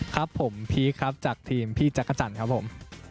ครับผมพีคครับจากทีมพี่จักรจันทร์ครับผม